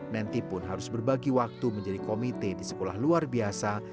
menty pun harus berbagi waktu menjadi komite di sekolah luar biasa